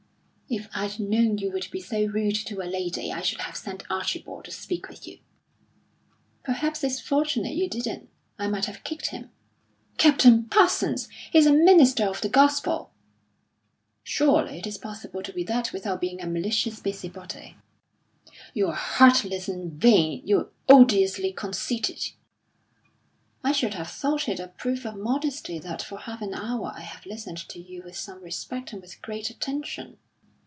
"If I'd known you would be so rude to a lady, I should have sent Archibald to speak with you." "Perhaps it's fortunate you didn't. I might have kicked him." "Captain Parsons, he's a minister of the gospel." "Surely it is possible to be that without being a malicious busybody." "You're heartless and vain! You're odiously conceited." "I should have thought it a proof of modesty that for half an hour I have listened to you with some respect and with great attention."